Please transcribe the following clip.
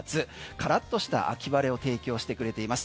からっとした秋晴れを提供してくれています。